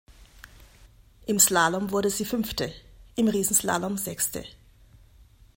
Im Slalom wurde sie Fünfte, im Riesenslalom Sechste.